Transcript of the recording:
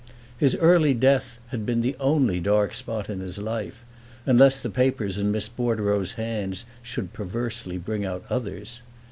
His early death had been the only dark spot in his life, unless the papers in Miss Bordereau's hands should perversely bring out others.